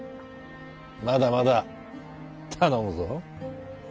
まだまだ頼むぞ。